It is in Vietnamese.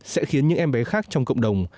sẽ khiến những em bé khác trong cộng đồng